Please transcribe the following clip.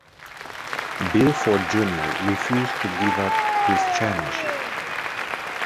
Bill Ford Junior refused to give up his chairmanship.